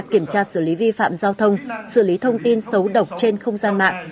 kiểm tra xử lý vi phạm giao thông xử lý thông tin xấu độc trên không gian mạng